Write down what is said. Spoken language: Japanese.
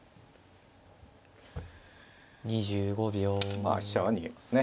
まあ飛車は逃げますね